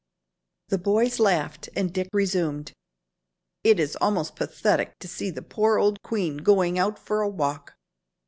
The boys laughed and Dick resumed. "It is almost pathetic to see the poor old queen going out for a walk.